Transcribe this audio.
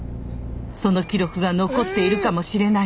その記録が残っているかもしれない。